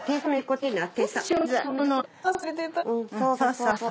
そうそう。